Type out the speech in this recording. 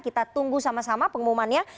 kita tunggu sama sama pengumumannya